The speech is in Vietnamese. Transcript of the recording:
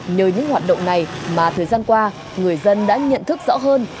nhờ những hoạt động này mà thời gian qua người dân đã nhận thức rõ hơn